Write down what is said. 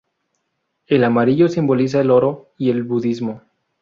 El amarillo simboliza el oro y el budismo.